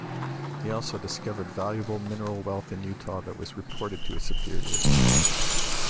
He also discovered valuable mineral wealth in Utah that was reported to his superiors.